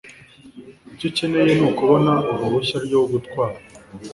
Icyo ukeneye nukubona uruhushya rwo gutwara.